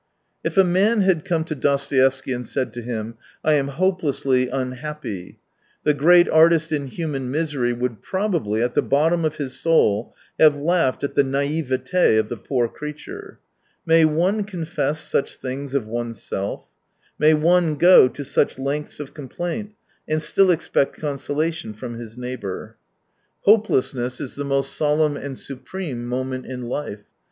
If a man had come to Dostoevsky and said to him, " I am hopelessly unhappy," the great artist in human misery would probably, at the bottom of his soul, have laughed at the naivete of the poor creature. May^one confess such things of oneself ? May one go to such lengths of complaint, and still expect consolation from his neighbour ? r 8, Hopelessness is the most solemn and supreme moment in life.